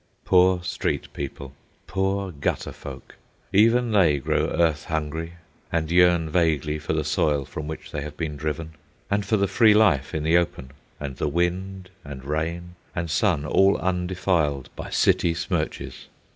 Poor street people! Poor gutter folk! Even they grow earth hungry, and yearn vaguely for the soil from which they have been driven, and for the free life in the open, and the wind and rain and sun all undefiled by city smirches.